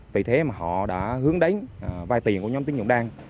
vì thế mà họ đã hướng đánh vai tiền của nhóm tiếng dũng đan